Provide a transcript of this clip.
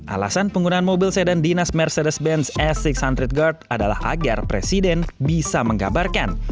alasan penggunaan mobil sedan dinas mercedes benz s enam ratus guard adalah agar presiden bisa menggabarkan